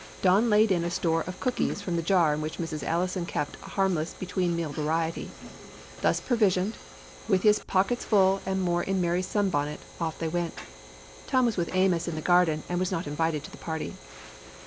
Don laid in a store of cookies from the jar in which Mrs. Allison kept a harmless between meal variety. Thus provisioned, with his pockets full and more in 243 DOG HEROES OF MANY LANDS Mary's sunbonnet, off they went. Tom was with Amos in the garden and was not invited to the party.